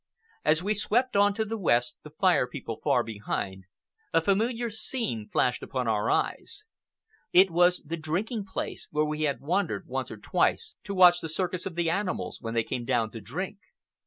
As we swept on to the west, the Fire People far behind, a familiar scene flashed upon our eyes. It was the great drinking place, where we had wandered once or twice to watch the circus of the animals when they came down to drink.